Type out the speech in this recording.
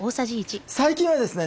最近はですね